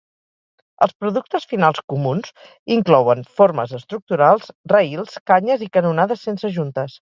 Els productes finals comuns inclouen formes estructurals, rails, canyes i canonades sense juntes.